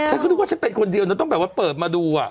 ฉันคิดว่าฉันเป็นคนเดียวแล้วต้องแบบว่าเปิดมาดูอ่ะ